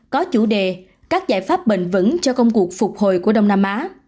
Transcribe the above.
có chủ đề các giải pháp bền vững cho công cuộc phục hồi của đông nam á